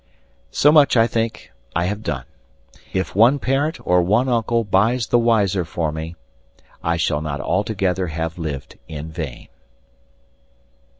So much, I think, I have done. If one parent or one uncle buys the wiselier for me, I shall not altogether have lived in vain.